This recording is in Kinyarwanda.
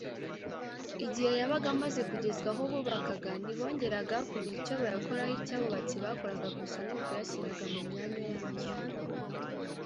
igihe yabaga amaze kugezwa aho bubakaga, ntibongeraga kugira icyo bayakoraho; icyo abubatsi bakoraga gusa ni ukuyashyiraga mu myanya yayo